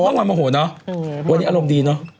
เมื่อวานโมโหเนอะวันนี้อารมณ์ดีเนอะ